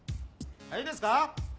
いいですか？